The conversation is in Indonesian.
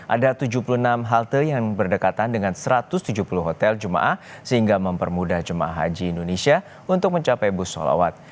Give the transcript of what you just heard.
ada tujuh puluh enam halte yang berdekatan dengan satu ratus tujuh puluh hotel jemaah sehingga mempermudah jemaah haji indonesia untuk mencapai bus solawat